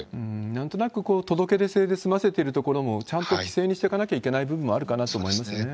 なんとなく届け出制で済ませてるところも、ちゃんと規制にしていかなきゃいけない部分もあるかなと思いますね。